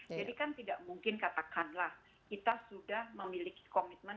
jadi kan tidak mungkin katakanlah kita sudah memiliki komitmen